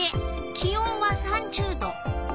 気温は３０℃。